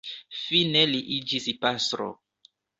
Fine li iĝis pastro.